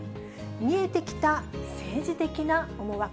見えてきた政治的な思惑。